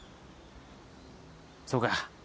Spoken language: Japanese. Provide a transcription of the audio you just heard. そうか。